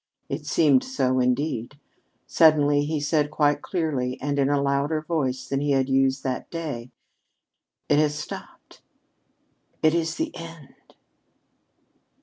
It seemed so, indeed. Suddenly he said quite clearly and in a louder voice than he had used that day: "It has stopped. It is the end!"